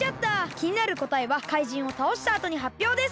きになるこたえはかいじんをたおしたあとにはっぴょうです。